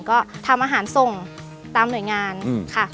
ก็ทำอาหารส่งตามหน่วยงานค่ะ